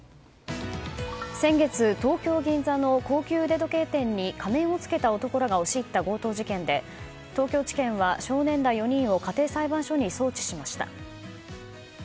先月東京・銀座の高級腕時計店に仮面をつけた男らが押し入った強盗事件で東京地検は少年ら４人を家庭裁判所に送致しました。